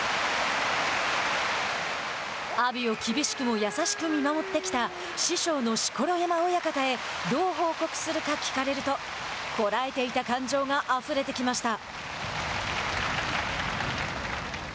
阿炎を厳しくも優しく見守ってきた師匠の錣山親方へどう報告するか聞かれるとこらえていた感情があふれてきました。